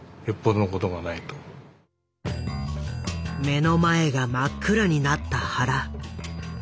目の前が真っ暗になった原。